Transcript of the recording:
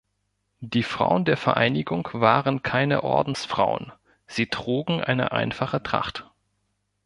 Die Frauen der Vereinigung waren keine Ordensfrauen, sie trugen eine einfache Tracht.